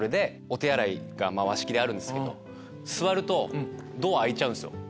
お手洗いが和式であるんですけど座るとドア開いちゃうんですよ